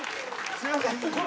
すいません。